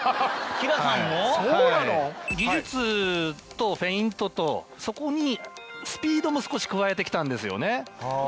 技術とフェイントとそこにスピードも少し加えてきたんですよね。